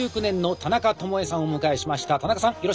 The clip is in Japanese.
田中さん